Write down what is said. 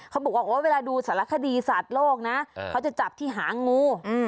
เขาบอกว่าเวลาดูสารคดีสัตว์โลกนะเขาจะจับที่หางงู